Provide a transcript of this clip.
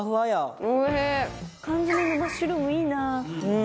松本：缶詰のマッシュルームいいな！